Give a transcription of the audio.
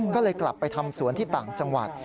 ก็เลยกลับไปทำสวนที่ต่างจังหวัด